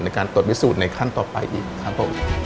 ในการตรวจพิสูจน์ในขั้นต่อไปอีกครับผม